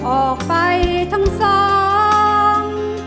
ออกไปทั้งสอง